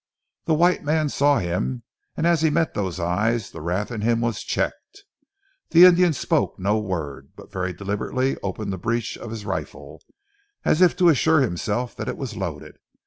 The white man saw him, and as he met those eyes, the wrath in him was checked. The Indian spoke no word, but very deliberately opened the breech of his rifle, as if to assure himself that it was loaded.